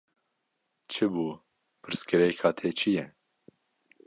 Çi bû, pirsgirêka te çi ye?